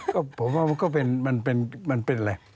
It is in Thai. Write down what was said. ก็ผมว่ามันเป็นอะไร